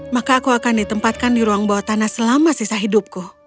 maka aku akan ditempatkan di ruang bawah tanah selama sisa hidupku